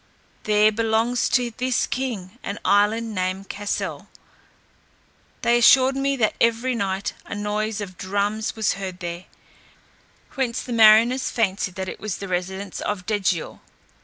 There belongs to this king an island named Cassel. They assured me that every night a noise of drums was heard there, whence the mariners fancied that it was the residence of Degial.